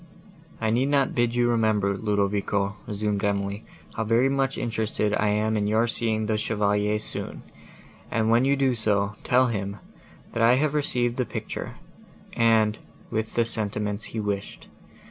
"I need not bid you remember, Ludovico," resumed Emily, "how very much interested I am in your seeing the Chevalier soon; and, when you do so, tell him, that I have received the picture, and, with the sentiments he wished.